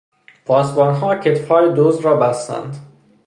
پاسبانها کتفهای دزد را بستند.